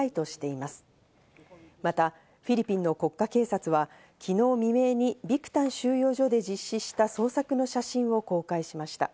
また、フィリピンの国家警察は昨日未明にビクタン収容所で実施した捜索の写真を公開しました。